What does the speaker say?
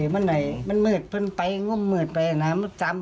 มันไหนมันมืดไปง่มมืดไปนะมันจำ